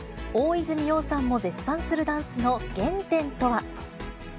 大泉洋さんも絶賛するダンスの原点とは。